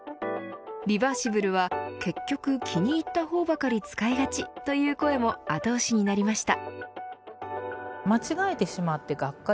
リバーシブルは結局気に入った方ばかり使いがちという声も後押しになりました。